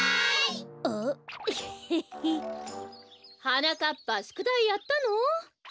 はなかっぱしゅくだいやったの？